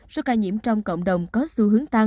số ca nhiễm trong cộng đồng có xu hướng tăng